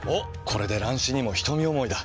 これで乱視にも瞳思いだ。